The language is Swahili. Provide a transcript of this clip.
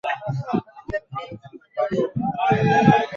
Bibi anasoma kitabu na mama anapika chakula.